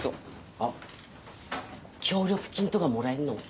あっ協力金とかもらえるの？